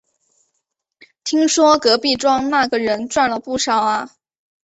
听说隔壁庄那个人赚了不少啊